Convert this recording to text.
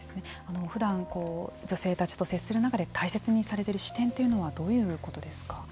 ふだん女性たちと接する中で大切にされている視点というのはどういうことですか。